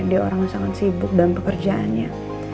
dia orang sangat sibuk dalam pekerjaannya